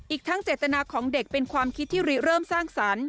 อีกทั้งเจตนาของเด็กเป็นความคิดที่เริ่มสร้างสรรค์